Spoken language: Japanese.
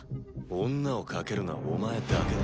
女を賭けるのはお前だけだ。